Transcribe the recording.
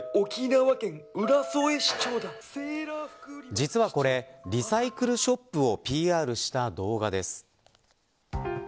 実はこれリサイクルショップをＰＲした動画です。